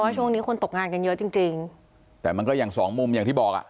ช่วงนี้คนตกงานกันเยอะจริงจริงแต่มันก็อย่างสองมุมอย่างที่บอกอ่ะ